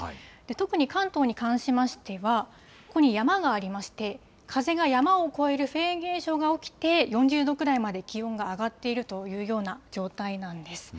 特に関東に関しましては、ここに山がありまして、風が山を越えるフェーン現象が起きて、４０度くらいまで気温が上がっているというような状態なんです。